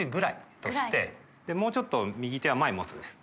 でもうちょっと右手は前持つんです。